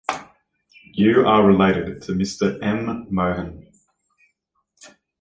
You are related to Mr M. Mohan?